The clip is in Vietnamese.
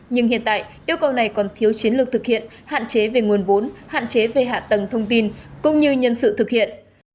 nhưng hiện tại yêu cầu này còn thiếu chiến lược thực hiện hạn chế về nguồn vốn hạn chế về hạ tầng thông tin cũng như nhân sự thực hiện